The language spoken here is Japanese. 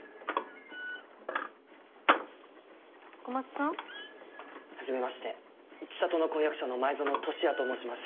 小松さん？はじめまして知里の婚約者の前薗俊哉と申します。